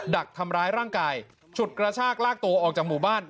ดักทำร้ายร่างกายฉุดกระชากลากตัวออกจากหมู่บ้าน